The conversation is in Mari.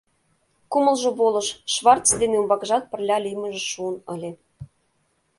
Кумылжо волыш — Шварц дене умбакыжат пырля лиймыже шуын ыле.